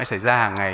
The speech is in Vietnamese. sẽ xảy ra hàng ngày